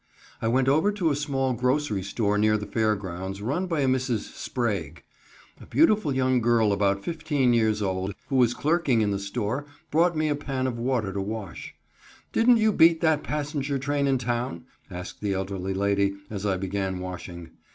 I went over to a small grocery store, near the fair grounds, run by a Mrs. Sprague. A beautiful young girl about fifteen years old, who was clerking in the store, brought me a pan of water to wash. "Didn't you beat that passenger train in town?" asked the elderly lady, as I began washing.